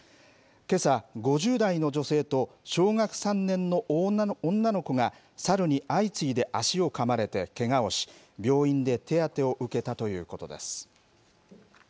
けさ、５０代の女性と小学３年の女の子が猿に相次いで足をかまれてけがをし、病院で手当てを受けたということです。